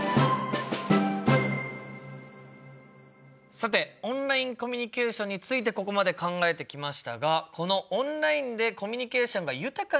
さて「オンラインコミュニケーション」についてここまで考えてきましたがこのオンラインでコミュニケーションが豊かになったという人がいるんです。